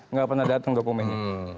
tidak pernah datang dokumennya